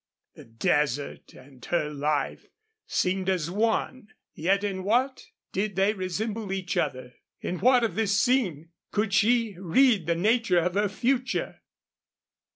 The desert and her life seemed as one, yet in what did they resemble each other in what of this scene could she read the nature of her future?